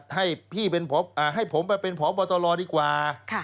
ให้พี่เป็นพบตลให้ผมเป็นพบตลดีกว่า